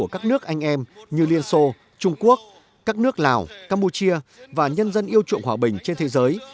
các nước anh em như liên xô trung quốc các nước lào campuchia và nhân dân yêu chuộng hòa bình trên thế giới